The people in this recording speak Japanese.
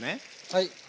はい。